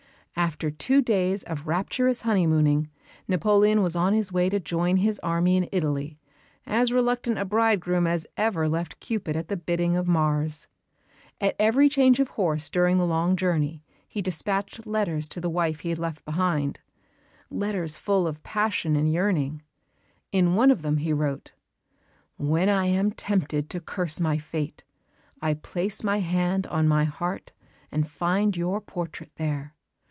After two days of rapturous honeymooning Napoleon was on his way to join his army in Italy, as reluctant a bridegroom as ever left Cupid at the bidding of Mars. At every change of horses during the long journey he dispatched letters to the wife he had left behind letters full of passion and yearning. In one of them he wrote, "When I am tempted to curse my fate, I place my hand on my heart and find your portrait there.